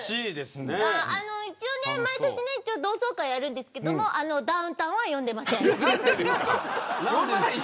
一応毎年同窓会あるんですけどダウンタウンは呼んでません。